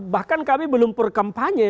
bahkan kami belum perkampanye